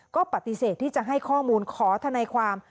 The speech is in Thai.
ก็ปฏิเสธที่จะให้ข้อมูลขอทนายความ